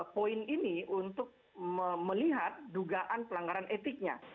poin ini untuk melihat dugaan pelanggaran etiknya